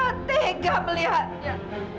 saya tak tega melihatnya